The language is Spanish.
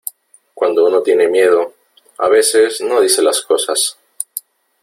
cuando uno tiene miedo , a veces no dice las cosas